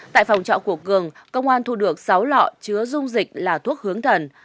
tại phòng trọ của cường công an thu được sáu lọ chứa dung dịch là thuốc hướng thần